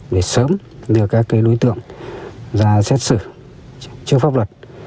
để sớm đưa các đối tượng ra xét xử trước pháp luật